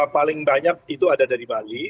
paling banyak itu ada dari bali